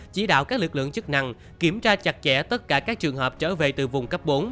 chỉ đạo các lực lượng chức năng kiểm tra chặt chẽ tất cả các trường hợp trở về từ vùng cấp bốn